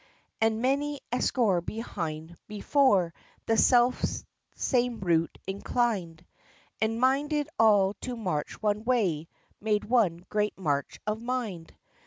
And many a score behind before The self same route inclined, And, minded all to march one way, Made one great march of mind.